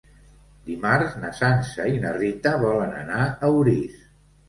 Dimarts na Sança i na Rita volen anar a Orís.